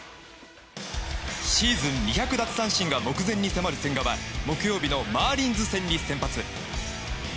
シーズン２００奪三振が目前に迫る千賀は木曜日のマーリンズ戦に先発。